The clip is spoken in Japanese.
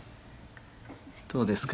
どうですか？